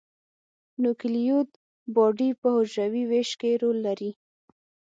نوکلوئید باډي په حجروي ویش کې رول لري.